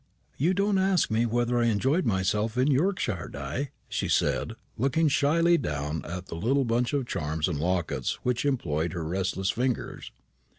"You don't ask me whether I enjoyed myself in Yorkshire, Di," she said, looking shyly down at the little bunch of charms and lockets which employed her restless fingers.